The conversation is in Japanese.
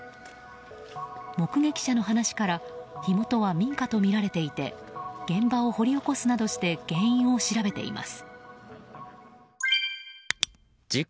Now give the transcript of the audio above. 目撃者の話から火元は民家とみられていて現場を掘り起こすなどして原因を調べています。